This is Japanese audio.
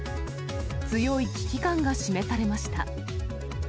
強い危機感が示されました。